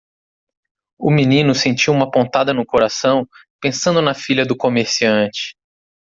O menino sentiu uma pontada no coração pensando na filha do comerciante.